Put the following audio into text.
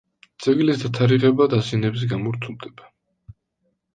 ძეგლის დათარიღება დაზიანების გამო რთულდება.